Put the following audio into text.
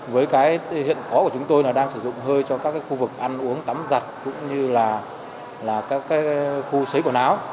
với cái hiện có của chúng tôi là đang sử dụng hơi cho các khu vực ăn uống tắm giặt cũng như là các cái khu xấy quần áo